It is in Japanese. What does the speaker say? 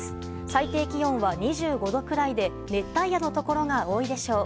最低気温は２５度くらいで熱帯夜のところが多いでしょう。